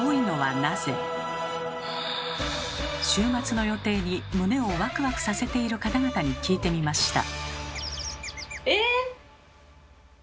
週末の予定に胸をワクワクさせている方々に聞いてみました。